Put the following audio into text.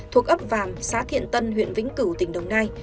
thuộc ấp vàm xã thiện tân huyện vĩnh cửu tỉnh đồng nai